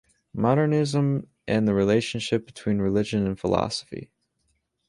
Modernism and the relationship between religion and philosophy.